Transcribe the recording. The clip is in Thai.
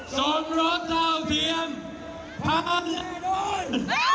สมรถเท่าเทียมพักให้โน่น